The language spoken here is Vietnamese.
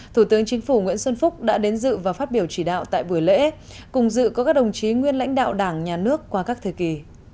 thủ tướng chính phủ nguyễn xuân phúc đã đến dự và phát biểu chỉ đạo tại buổi lễ cùng dự có các đồng chí nguyên lãnh đạo đảng nhà nước qua các thời kỳ